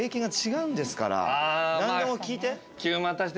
何でも聞いて。